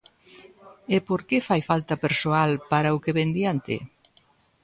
¿E por que fai falta persoal para o que vén diante?